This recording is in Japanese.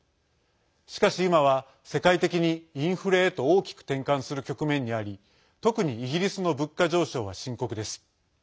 しかし今は世界的にインフレへと大きく転換する局面にあり特に、イギリスの物価上昇は深刻です。